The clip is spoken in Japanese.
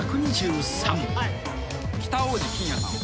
北大路欣也さんを。